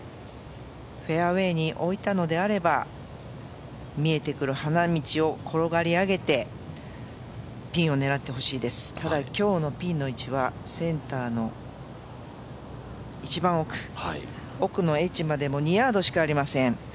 フェアウエーに置いたのであれば見えてくる花道を転がり上げてピンを狙って欲しいです、ただ今日のピンの位置はセンターの一番奥、奥のエッジまで２ヤードしかありません。